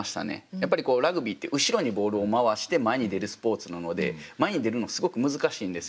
やっぱりラグビーって後ろにボールを回して前に出るスポーツなので前に出るのすごく難しいんですよね。